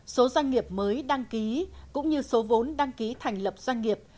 số doanh nghiệp mới đăng ký cũng như số vốn đăng ký thành lập doanh nghiệp